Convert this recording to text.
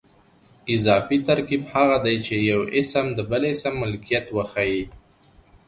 اضافي ترکیب هغه دئ، چي یو اسم د بل اسم ملکیت وښیي.